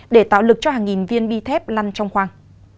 để tạo lực cho hàng nghìn viên bi thép lăn trong khoang